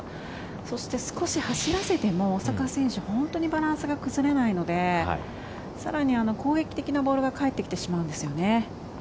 そして、少し走らせても大坂選手は本当にバランスが崩れないので更に攻撃的なボールが返ってきてしまうんですよね。